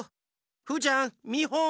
フーちゃんみほん。